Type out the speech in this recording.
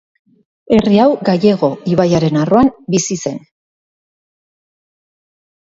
Herri hau Gallego ibaiaren arroan bizi zen.